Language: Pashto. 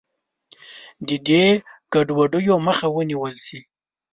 د دې ګډوډیو مخه ونیول شي.